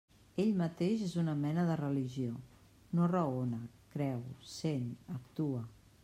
Ell mateix és una mena de religió; no raona, creu, sent, actua.